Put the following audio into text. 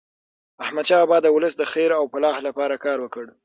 احمدشاه بابا د ولس د خیر او فلاح لپاره کار وکړ.